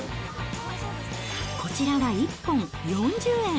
こちらは１本４０円。